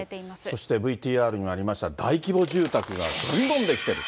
そしてＶＴＲにもありました大規模住宅が、どんどん出来てる。